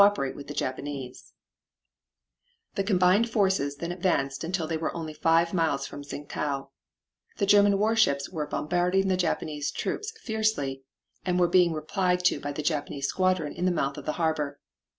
] THE GERMAN GIBRALTAR IN THE FAR EAST WHICH FELL TO THE JAPANESE The combined forces then advanced until they were only five miles from Tsing tau. The German warships were bombarding the Japanese troops fiercely, and were being replied to by the Japanese squadron in the mouth of the harbor.